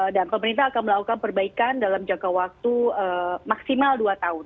dan pemerintah akan melakukan perbaikan dalam jangka waktu maksimal dua tahun